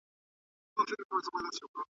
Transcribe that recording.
کله چې ښځې واورېدل شي، ټولنیزې ستونزې نه پټېږي.